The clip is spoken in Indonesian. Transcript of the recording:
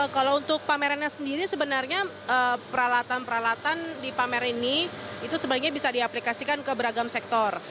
kalau untuk pamerannya sendiri sebenarnya peralatan peralatan di pamer ini itu sebaiknya bisa diaplikasikan ke beragam sektor